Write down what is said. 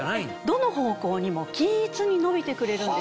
どの方向にも均一に伸びてくれるんです。